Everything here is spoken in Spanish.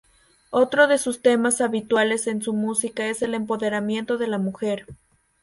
Otro de sus temas habituales en su música es el empoderamiento de la mujer.